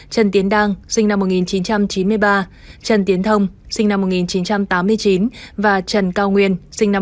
trần tiến đang trần tiến thông và trần cao nguyên